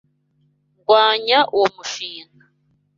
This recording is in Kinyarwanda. Ndwanya uwo mushinga.